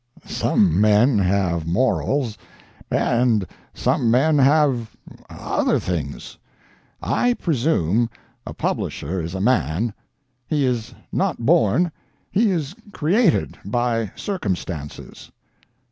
Some men have morals, and some men have—other things. I presume a publisher is a man. He is not born. He is created—by circumstances.